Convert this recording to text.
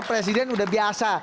presiden sudah biasa